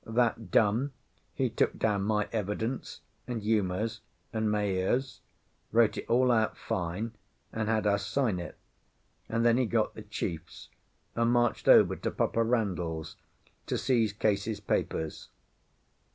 That done, he took down my evidence, and Uma's, and Maea's, wrote it all out fine, and had us sign it; and then he got the chiefs and marched over to Papa Randall's to seize Case's papers.